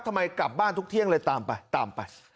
ทำไมกลับบ้านทุกเที่ยงเลยตามไปตามไป